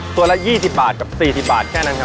ตัวละ๒๐บาทกับ๔๐บาทแค่นั้นครับ